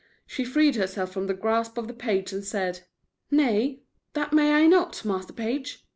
She freed herself from the grasp of the page, and said: "Nay, that may I not, master page.